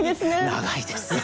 長いですよ。